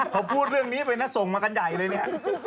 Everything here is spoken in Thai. พอพูดเรื่องนี้ไปนะส่งมากันใหญ่เลยเนี่ย